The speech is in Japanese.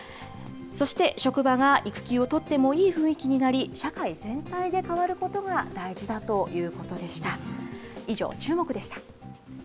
そして職場が育休を取ってもいい雰囲気になり、社会全体で変わることが大事だということでした。